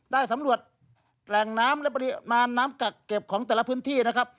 ได้สำรวจแหล่งน้ำและปริมาณน้ำกักเก็บของแต่ละพื้นที่นะครับ